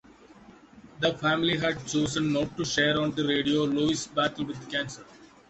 The family had chosen not to share on the radio Lewis' battle with cancer.